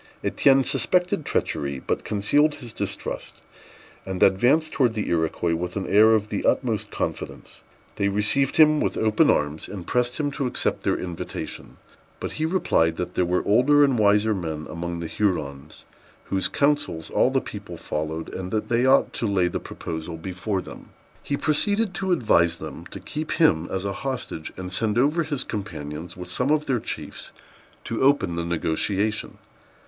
Étienne suspected treachery, but concealed his distrust, and advanced towards the Iroquois with an air of the utmost confidence. They received him with open arms, and pressed him to accept their invitation; but he replied, that there were older and wiser men among the Hurons, whose counsels all the people followed, and that they ought to lay the proposal before them. He proceeded to advise them to keep him as a hostage, and send over his companions, with some of their chiefs, to open the negotiation.